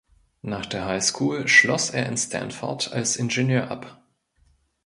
Nach der High School schloss er in Stanford als Ingenieur ab.